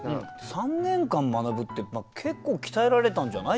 ３年間学ぶって結構鍛えられたんじゃない？